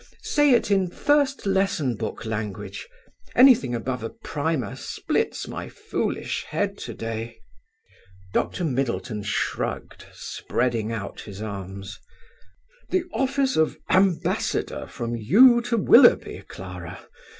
Say it in First Lesson Book language; anything above a primer splits my foolish head to day." Dr Middleton shrugged, spreading out his arms. "The office of ambassador from you to Willoughby, Clara?